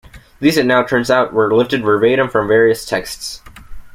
These, it now turns out, were lifted verbatim from various texts.